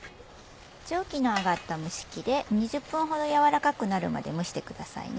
蒸気の上がった蒸し器で２０分ほどやわらかくなるまで蒸してくださいね。